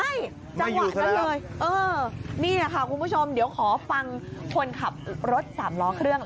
ไม่อยู่แทบจังหวะนั้นเลยเออนี่ค่ะคุณผู้ชมเดี๋ยวขอฟังคนขับรถสำล้อเครื่อง